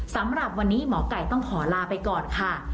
สำหรับวันนี้หมอไก่ต้องขอลาไปก่อนค่ะ